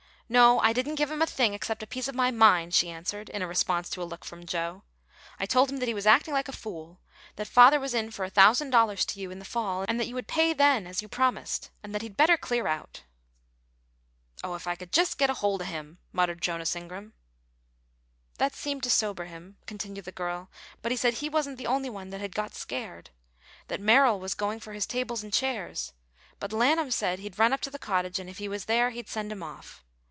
"No, I didn't give him a thing, except a piece of my mind," she answered, in response to a look from Joe. "I told him that he was acting like a fool; that father was in for a thousand dollars to you in the fall, and that you would pay then, as you promised, and that he'd better clear out." "Oh, if I could jest git a holt of him!" muttered Jonas Ingram. "That seemed to sober him," continued the girl; "but he said he wasn't the only one that had got scared; that Merrill was going for his tables and chairs; but Lanham said he'd run up to the cottage, and if he was there, he'd send him off.